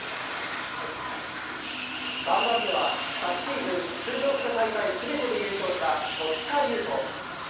３番手は昨シーズン出場した大会全てで優勝した戸塚優斗。